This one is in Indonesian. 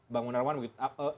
bang munarwan begitu